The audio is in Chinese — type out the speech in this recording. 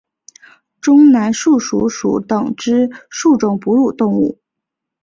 中南树鼠属等之数种哺乳动物。